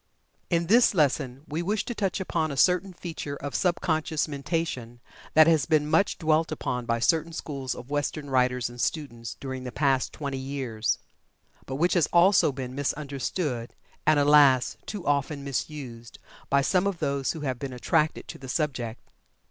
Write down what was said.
In this lesson we wish to touch upon a certain feature of sub conscious mentation that has been much dwelt upon by certain schools of western writers and students during the past twenty years, but which has also been misunderstood, and, alas, too often misused, by some of those who have been attracted to the subject.